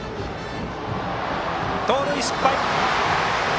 盗塁失敗！